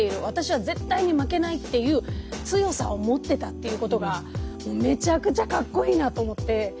私は絶対に負けないっていう強さを持ってたっていうことがめちゃくちゃかっこいいなと思って。